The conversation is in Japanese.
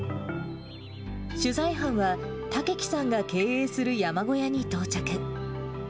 取材班は、岳樹さんが経営する山小屋に到着。